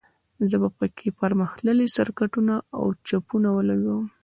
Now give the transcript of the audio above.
زه به په کې پرمختللي سرکټونه او چپونه ولګوم